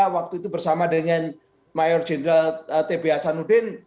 waktu itu bersama dengan mayor general t b hasanuddin